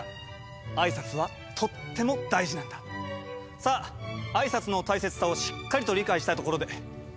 さああいさつの大切さをしっかりと理解したところでこちらをご覧頂こう。